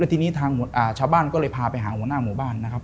แล้วทีนี้ชาวบ้านก็เลยพาไปหาหมู่บ้าน